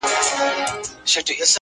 دلته له ورځي سره لمر لکه شېبه ځلیږي -